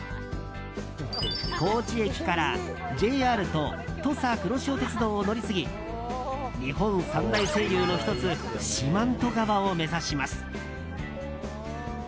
高知駅からＪＲと土佐くろしお鉄道を乗り継ぎ日本三大清流の１つ四万十川を目指します。